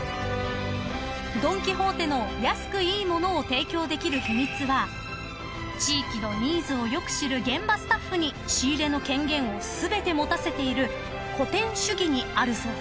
［ドン・キホーテの安くいいものを提供できる秘密は地域のニーズをよく知る現場スタッフに仕入れの権限を全て持たせている個店主義にあるそうで］